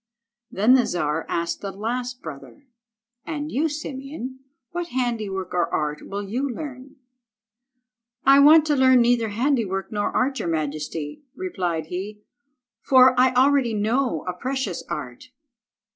Then the Czar asked the last brother— "And you, Simeon, what handiwork or art will you learn?" "I want to learn neither handiwork nor art, your majesty," replied he, "for I already know a precious art."